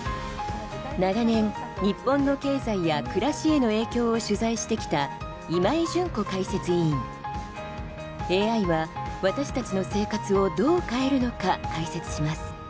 長年日本の経済や暮らしへの影響を取材してきたＡＩは私たちの生活をどう変えるのか解説します。